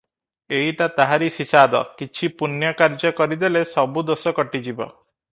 ଏଇଟା ତାହାରି ଫିସାଦ, କିଛି ପୁଣ୍ୟ କାର୍ଯ୍ୟ କରିଦେଲେ ସବୁ ଦୋଷ କଟିଯିବ ।